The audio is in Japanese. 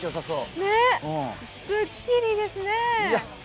すっきりですね。